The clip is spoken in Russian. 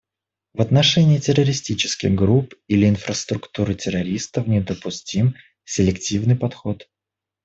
В отношении террористических групп или инфраструктуры террористов недопустим селективный подход.